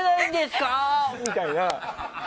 みたいな。